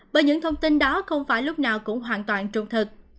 bởi những thông tin đó không phải lúc nào cũng hoàn toàn trung thực